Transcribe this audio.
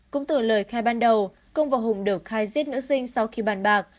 cũng từ lời khai ban đầu công và hùng được khai giết nữ sinh sau khi bàn bạc